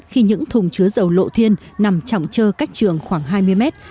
khi những thùng chứa dầu lộ thiên nằm trọng trơ cách trường khoảng hai mươi mét